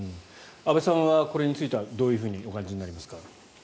阿部さんはこれについてはどうお感じになりますか？